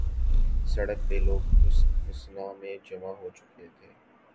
سڑک پہ لوگ اس اثناء میں جمع ہوچکے تھے۔